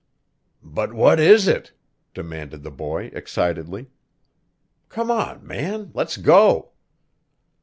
"But what is it?" demanded the boy excitedly. "Come on, man let's go!"